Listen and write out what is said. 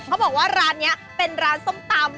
เขาบอกว่าร้านนี้เป็นร้านส้มตำ